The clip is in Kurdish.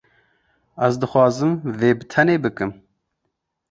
Ez dixwazim vê bi tenê bikim.